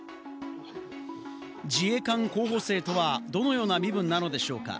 自衛官候補生とはどのような身分なのでしょうか。